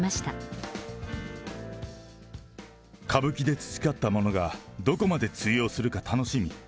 歌舞伎で培ったものがどこまで通用するか楽しみ。